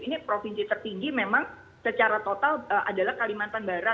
ini provinsi tertinggi memang secara total adalah kalimantan barat